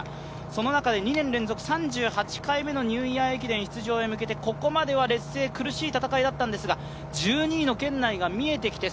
その中で２年連続３８回目のニューイヤー駅伝出場をかけましてここまでは劣勢、苦しい戦いだったんですが、１２位の圏内が見えてきて